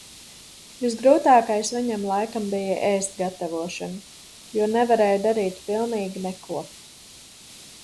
Visgrūtākais viņam laikam bija ēst gatavošana. Jo nevarēju darīt pilnīgi neko.